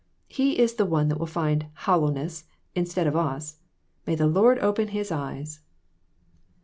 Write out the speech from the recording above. He is the one that will find 'hollowness.' instead of us. May the Lord open his eyes."